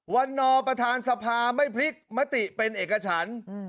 นอประธานสภาไม่พลิกมติเป็นเอกฉัน